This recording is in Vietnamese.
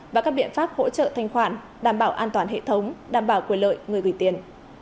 và các biện pháp hỗ trợ thanh khoản đảm bảo an toàn hệ thống đảm bảo quyền lợi người gửi tiền